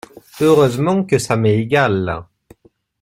Heureusement que ça m'est égal.